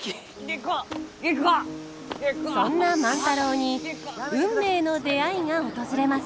そんな万太郎に運命の出会いが訪れます。